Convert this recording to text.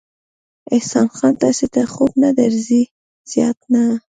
احسان خان، تاسې ته خوب نه درځي؟ زیات نه.